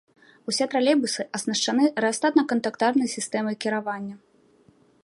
Усе тралейбусы аснашчаны рэастатна-кантактарнай сістэмай кіравання.